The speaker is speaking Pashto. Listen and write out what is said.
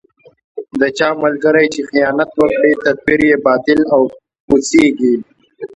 د چا ملګری چې خیانت وکړي، تدبیر یې باطل او پوچېـږي.